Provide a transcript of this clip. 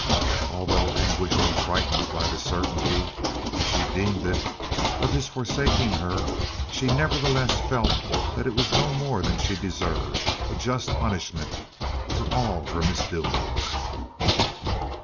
Although anguished and frightened by the certainty, as she deemed it, of his forsaking her, she nevertheless felt that it was no more than she deserved—a just punishment for all her misdoings.